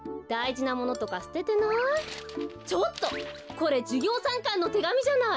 これじゅぎょうさんかんのてがみじゃない！